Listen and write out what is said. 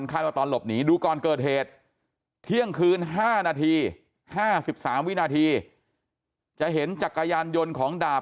ว่าตอนหลบหนีดูก่อนเกิดเหตุเที่ยงคืน๕นาที๕๓วินาทีจะเห็นจักรยานยนต์ของดาบ